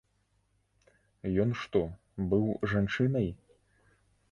Ён што, быў жанчынай?